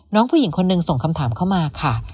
น้องผู้หญิงคนหนึ่งส่งคำถามเข้ามาค่ะ